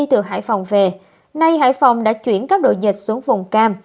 từ hải phòng về nay hải phòng đã chuyển các đội dịch xuống vùng cam